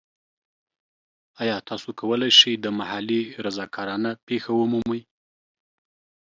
ایا تاسو کولی شئ د محلي رضاکارانه پیښه ومومئ؟